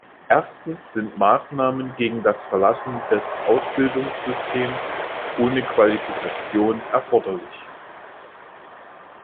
Erstens sind Maßnahmen gegen das Verlassen des Ausbildungssystems ohne Qualifikation erforderlich.